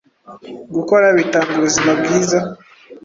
Gukora bitanga ubuzima bwiza,